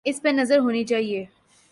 اس پہ نظر ہونی چاہیے۔